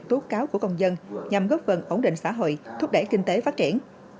tố cáo của công dân nhằm góp phần ổn định xã hội thúc đẩy kinh tế phát triển